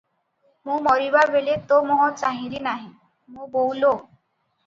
ମୁଁ ମରିବାବେଳେ ତୋ ମୁହଁ ଚାହିଁଲି ନାହିଁ, ମୋ ବୋଉ ଲୋ!